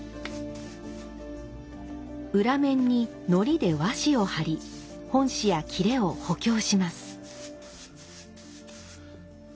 裏面に糊で和紙を貼り本紙や裂を補強します。